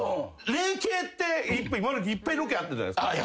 霊系って今までいっぱいロケあったじゃないですか。